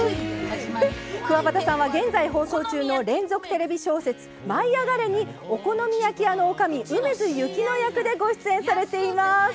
くわばたさんは現在放送中の連続テレビ小説「舞いあがれ！」にお好み焼き屋のおかみ梅津雪乃役でご出演されています。